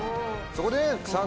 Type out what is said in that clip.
そこで。